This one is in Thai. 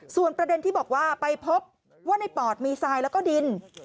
ส่วนประเด็นที่บอกว่าไปพบว่าในปอดมีทรายแล้วก็ดิน